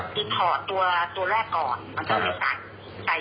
คือถอดตัวแรกก่อนมันก็เลยใส่